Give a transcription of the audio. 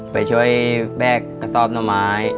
ไปช่วยแบกกระซอบหนดม้าย